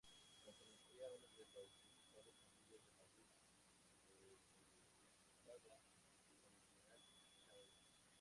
Pertenecía a una da las principales familias de Madrid, emparentada con el general Echagüe.